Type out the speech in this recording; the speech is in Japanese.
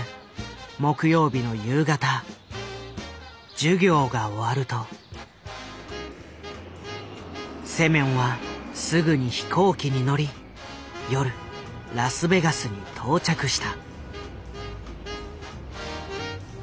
授業が終わるとセミョンはすぐに飛行機に乗り夜ラスベガスに到着した。